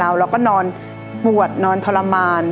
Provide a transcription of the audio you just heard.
เราก็นอนปวดนอนทรมาน